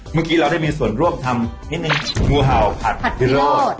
เมื่อกี้เราได้มีส่วนร่วมทำนิดนึงงูเห่าผัดพิรอด